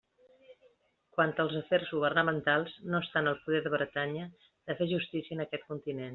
Quant als afers governamentals, no està en el poder de Bretanya de fer justícia en aquest continent.